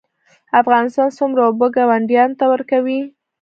افغانستان څومره اوبه ګاونډیانو ته ورکوي؟